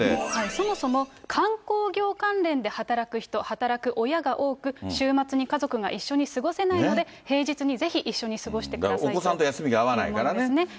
そもそも観光業関連で働く人、働く親が多く、週末に家族が一緒に過ごせないので、平日にぜひ、一緒に過ごしてくださいというものですね。